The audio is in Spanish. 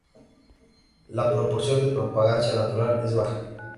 La proporción de propagación natural es baja.